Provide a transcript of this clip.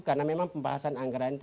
karena memang pembahasan anggaran itu